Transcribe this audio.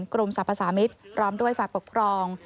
กรมสรรพสามิตรพร้อมด้วยฝ่ายปกครอง